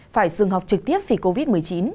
phải dừng học trực tiếp vì covid một mươi chín